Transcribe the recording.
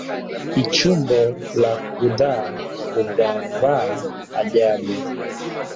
Ichumbo la kudhaa huvava ajabu